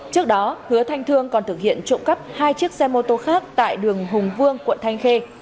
trước đó hứa thanh thương còn thực hiện trộm cắp hai chiếc xe mô tô khác tại đường hùng vương quận thanh khê